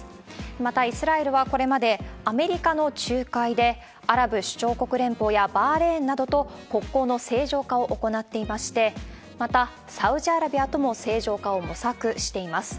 また、イスラエルはこれまで、アメリカの仲介で、アラブ首長国連邦やバーレーンなどと国交の正常化を行っていまして、また、サウジアラビアとも正常化を模索しています。